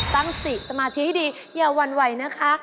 ตั้งสติสมาธิให้ดีอย่าหวั่นไหวนะคะ